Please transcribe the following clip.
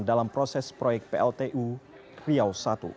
dalam proses proyek pltu riau i